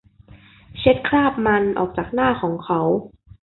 เช็ดคราบมันออกจากหน้าของเขา